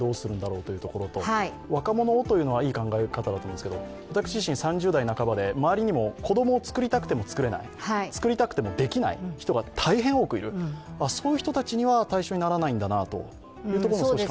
若者をというのはいい考え方かだと思うんですけれども、私自身３０代半ばで周りにも子供をつくりたくてもつくれない、つくりたくてもできない人が大変多くいるそういう人たちは対象にならないんだなと感じてしまいました。